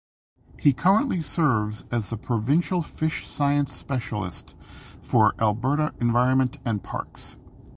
He currently serves as the provincial fish science specialist for Alberta Environment and Parks.